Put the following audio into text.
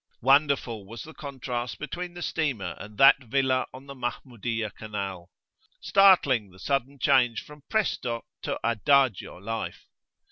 Wonderful was the contrast between the steamer and that villa on the Mahmudiyah canal! Startling the sudden change from presto to adagio life!